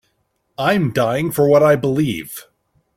I'm dying for what I believe.